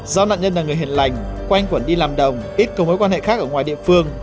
do nạn nhân là người hiền lành quanh quẩn đi làm đồng ít có mối quan hệ khác ở ngoài địa phương